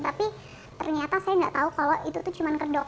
tapi ternyata saya nggak tahu kalau itu tuh cuma kedok